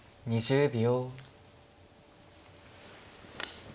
２０秒。